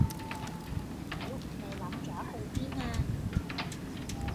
屌你諗左去邊呀